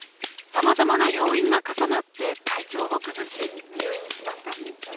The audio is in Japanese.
さまざまな要因が重なって体調を崩し、入院しました。